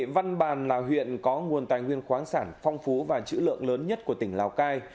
văn bàn là huyện có nguồn tài nguyên khoáng sản phong phú và chữ lượng lớn nhất của tỉnh lào cai